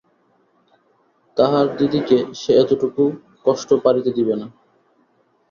তাহার দিদিকে সে এতটুকু কষ্টে পড়িতে দিবে না।